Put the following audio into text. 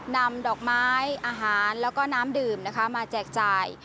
นำดอกไม้อาหารแล้วก็น้ำดื่มนะคะมาแจกจ่าย